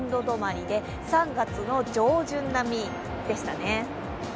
止まりで３月の上旬並みでしたね。